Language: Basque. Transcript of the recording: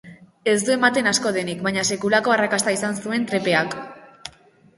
Ez du ematen asko denik, baina sekulako arrakasta izan zuen trepetak.